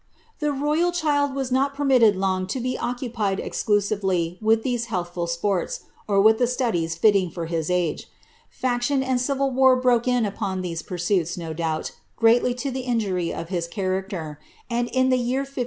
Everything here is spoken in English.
The royal child was not permitted long to be occupied esclusirely with these healthful sports, or wiih the studies fitting for his age. Fac tion and civil war broke in upon such pursuits, no doubt, greativ to ihe injury of Ills characierj and, in the year 1577, the guileful Morton.